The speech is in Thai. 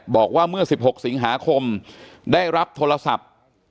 บอกว่าเมื่อ๑๖สิงหาคมได้รับโทรศัพท์